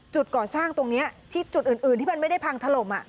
ก่อสร้างตรงนี้ที่จุดอื่นที่มันไม่ได้พังถล่ม